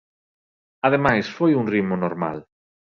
Ademais, foi a un ritmo normal.